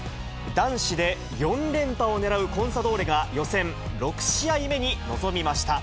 男子で４連覇をねらうコンサドーレが、予選６試合目に臨みました。